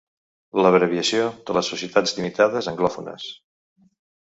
L'abreviació de les societats limitades anglòfones.